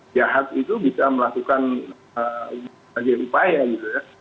jahat itu bisa melakukan upaya gitu ya